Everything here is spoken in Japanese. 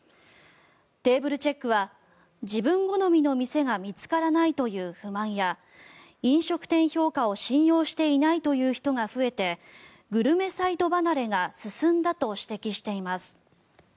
テーブルチェックは自分好みの店が見つからないという不満や飲食店評価を信用していないという人が増えてグルメサイト離れが進んだと指摘しています。